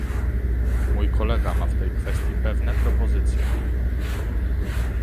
Mój kolega ma w tej kwestii pewne propozycje